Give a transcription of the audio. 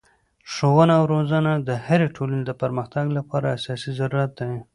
ښوونه او روزنه د هري ټولني د پرمختګ له پاره اساسي ضرورت دئ.